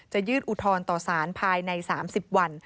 จะยืดอุทธรณ์ต่อศาลภายใน๓๐วัน